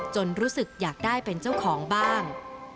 รู้สึกอยากได้เป็นเจ้าของบ้าง